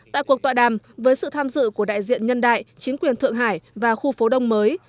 tại cuộc tọa đàm với sự tham dự của đại diện nhân đại chính quyền thượng hải và khu phố đông mới